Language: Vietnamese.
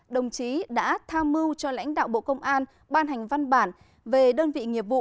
điều một trăm chín mươi bốn bộ luật hình sự